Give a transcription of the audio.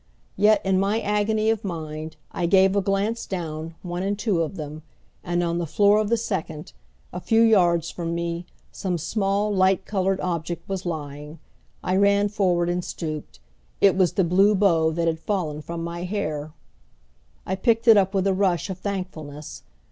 Yet in my agony of mind I gave a glance down one and two of them; and on the floor of the second, a few yards from me some small, light colored object was lying. I ran forward and stooped. It was the blue bow that had fallen from my hair. I picked it up with a rush of thankfulness.